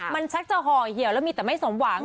มันชักจะห่อเหี่ยวแล้วมีแต่ไม่สมหวัง